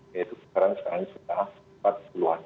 sekarang sudah empat puluh an